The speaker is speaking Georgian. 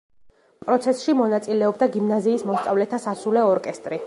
პროცესში მონაწილეობდა გიმნაზიის მოსწავლეთა სასულე ორკესტრი.